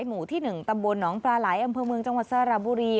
หมู่ที่๑ตำบลหนองปลาไหลอำเภอเมืองจังหวัดสระบุรี